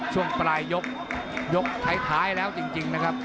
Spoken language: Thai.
ช่วงปลายยกท้ายแล้วจริงนะครับ